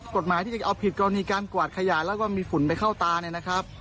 กฎหมายที่จะเอาผิดกรณีการกวาดขยะแล้วก็มีฝุ่นไปเข้าตาเนี่ยนะครับ